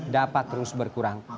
dapat terus berkurang